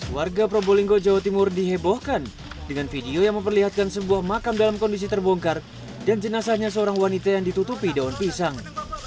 warga probolinggo jawa timur dihebohkan dengan video yang memperlihatkan sebuah makam dalam kondisi terbongkar dan jenazahnya seorang wanita yang ditutupi daun pisang